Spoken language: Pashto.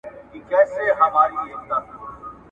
زنګوله که نه وي ټوله کار ورانېږي ..